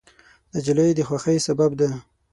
نجلۍ د خوښۍ سبب ده.